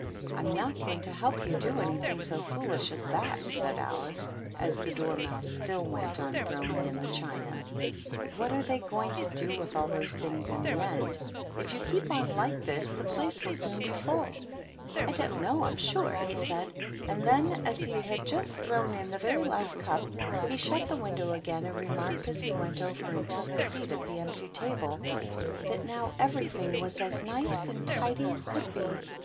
"I'm not going to help you do anything so foolish as that," said Alice, as the Dormouse still went on throwing in the china. " What are they going to do with all those things in the end ? If 62 THE TEA TABLE. you keep on like this, the place will soon be foil/' "I don't know, I'm sure," he said, and then, as he had just thrown in the very last cup, he shut the window again and remarked, as he went over and took a seat at the empty table, that now everything was as nice and tidy as could be.